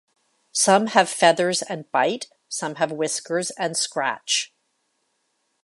Some have feathers and bite, and some have whiskers and scratch.